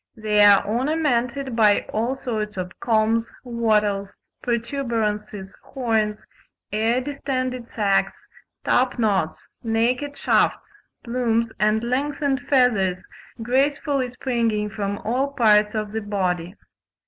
They are ornamented by all sorts of combs, wattles, protuberances, horns, air distended sacks, top knots, naked shafts, plumes and lengthened feathers gracefully springing from all parts of the body.